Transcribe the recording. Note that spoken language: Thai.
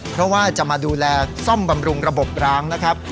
เพราะว่าจะมาดูแลซ่อมบำรุงระบบร้างนะครับ